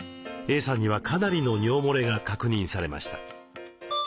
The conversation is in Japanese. Ａさんにはかなりの尿もれが確認されました。